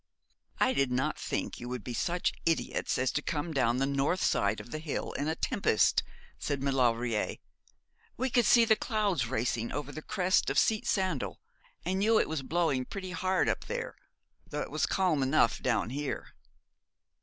'I did not think you would be such idiots as to come down the north side of the hill in a tempest,' said Maulevrier; 'we could see the clouds racing over the crest of Seat Sandal, and knew it was blowing pretty hard up there, though it was calm enough down here.'